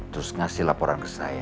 terus ngasih laporan ke saya